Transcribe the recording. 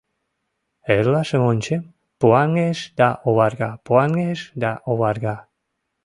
Эрлашым ончем — пуаҥеш да оварга, пуаҥеш да оварга...